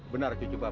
benar cucu bapak